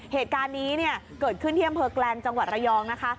เหตุการณ์นี้เกิดขึ้นที่เยี่ยมเผลอแกรมจังหวัดระยองนะคะ